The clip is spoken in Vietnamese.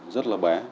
rất là bé